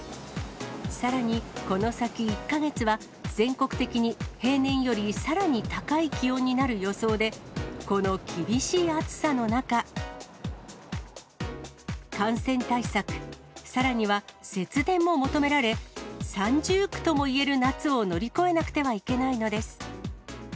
さらにこの先１か月は、全国的に平年よりさらに高い気温になる予想で、この厳しい暑さの中、感染対策、さらには節電も求められ、三重苦ともいえる夏を乗り越えなくてはいけないのです。